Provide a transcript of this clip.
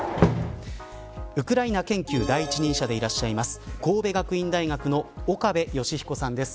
ウクライナ研究第一人者でいらっしゃいます神戸学院大学の岡部芳彦さんです